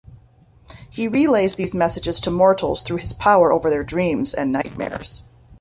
He relays these messages to mortals through his power over their dreams and nightmares.